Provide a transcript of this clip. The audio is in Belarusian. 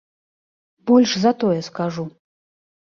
Больш за тое скажу.